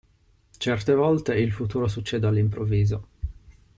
Certe volte il futuro succede all'improvviso.